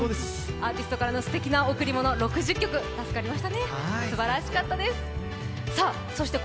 アーティストからのすてきな贈り物６０曲を歌っていただきました。